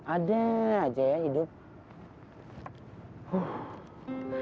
ada aja ya hidup